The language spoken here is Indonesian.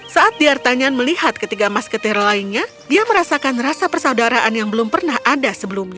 saat diartanyan melihat ketiga mas ketir lainnya dia merasakan rasa persaudaraan yang belum pernah ada sebelumnya